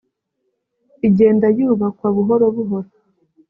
igenda yubakwa buhoro buhoro